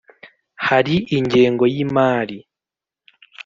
hari ingengo y imari